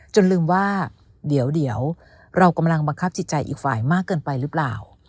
ลืมว่าเดี๋ยวเรากำลังบังคับจิตใจอีกฝ่ายมากเกินไปหรือเปล่า